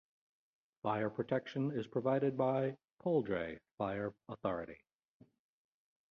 Fire protection is provided by Poudre Fire Authority.